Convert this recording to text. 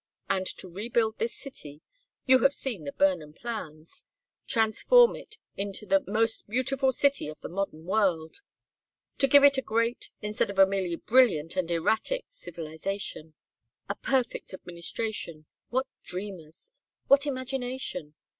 And to rebuild this city you have seen the Burnham plans transform it into the most beautiful city of the modern world to give it a great, instead of a merely brilliant and erratic civilization a perfect administration what dreamers! What imagination!